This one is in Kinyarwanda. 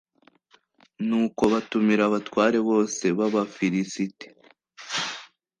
nuko batumira abatware bose b'abafilisiti